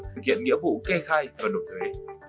thực hiện nghĩa vụ kê khai và đột thuế